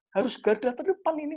harus garda terdepan ini